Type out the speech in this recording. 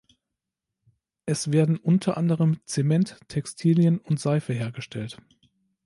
Es werden unter anderem Zement, Textilien und Seife hergestellt.